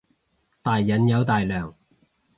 大人有大量